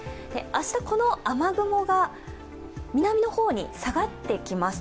明日、この雨雲が南の方に下がってきます。